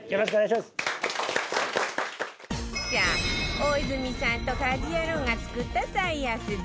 さあ大泉さんと家事ヤロウが作った最安丼